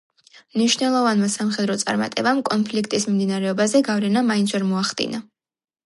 მნიშვნელოვანმა სამხედრო წარმატებამ კონფლიქტის მიმდინარეობაზე გავლენა მაინც ვერ მოახდინა.